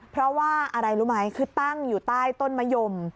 เพราะว่าอะไรรู้ไหมคือตั้งอยู่ใต้ต้นมะยม